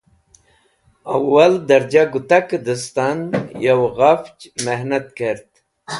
Awal Darajah Gutake distan Yowey Ghafch Mehnat Kert